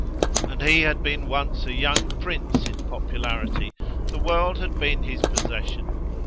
And he had been once a young prince in popularity: the world had been his possession.